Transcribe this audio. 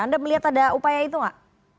anda melihat ada upaya itu nggak